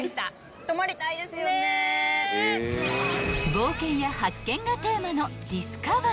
［冒険や発見がテーマのディスカバー］